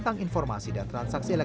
tim kuasa hukum